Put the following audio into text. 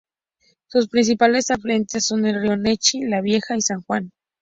Sus principales afluentes son el río Nechí, La Vieja y San Juan.